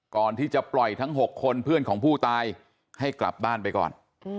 ก่อนที่จะปล่อยทั้ง๖คนเพื่อนของผู้ตายให้กลับบ้านไปก่อน